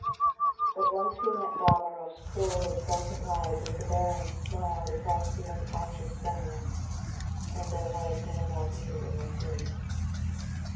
But once he met Dalmorov's cruel, exultant eyes as the baron smiled across the unconscious Stanief, and there was no more beauty in the scene.